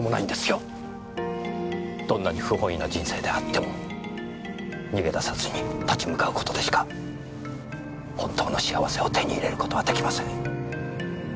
どんなに不本意な人生であっても逃げ出さずに立ち向かう事でしか本当の幸せを手に入れる事は出来ません！